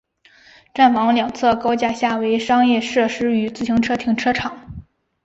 站房两侧高架下为商业设施与自行车停车场。